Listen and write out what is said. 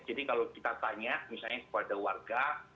jadi kalau kita tanya misalnya kepada warga